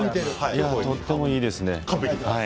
とてもいいですね。